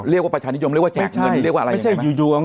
เรียกว่าประชานิยมเรียกว่าแจกเงินเรียกว่าอะไรอย่างนี้ไหม